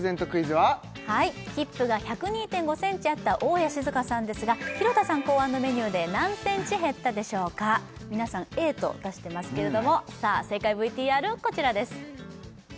はいヒップが１０２．５センチあった大家志津香さんですが廣田さん考案のメニューで何センチ減ったでしょうか皆さんＡと出してますけれどもさあ正解ＶＴＲこちらです